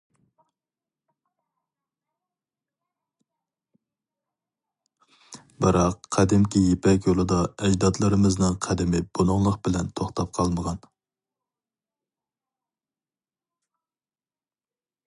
بىراق قەدىمكى يىپەك يولىدا ئەجدادلىرىمىزنىڭ قەدىمى بۇنىڭلىق بىلەن توختاپ قالمىغان.